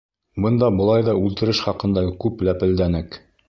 — Бында былай ҙа үлтереш хаҡында күп ләпелдәнек.